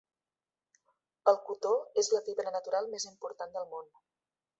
El cotó és la fibra natural més important del món.